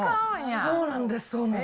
そうなんです。